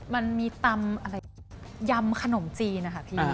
มันมีตำยำขนมจีน